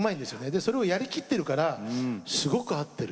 でそれをやりきってるからすごく合ってる。